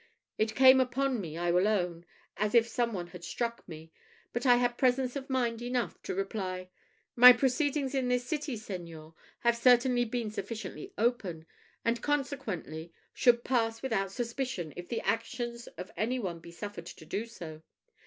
It came upon me, I will own, as if some one had struck me; but I had presence of mind enough to reply "My proceedings in this city, seigneur, have certainly been sufficiently open; and, consequently, should pass without suspicion, if the actions of any one be suffered to do so.